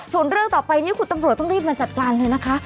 ส่วนเรื่องต่อไปนี้คุณตำรวจต้องรีบมาจัดการเลยนะคะ